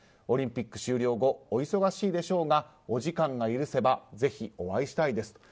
オリンピック終了後お忙しいでしょうがお時間が許せばぜひお会いしたいです。